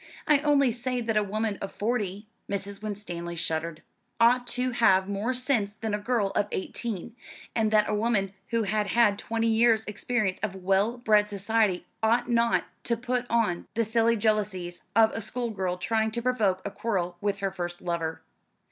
I only say that a woman of forty," Mrs. Winstanley shuddered "ought to have more sense than a girl of eighteen; and that a woman who had had twenty years' experience of well bred society ought not to put on the silly jealousies of a school girl trying to provoke a quarrel with her first lover."